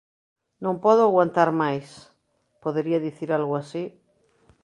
“Non podo aguantar máis.” Podería dicir algo así...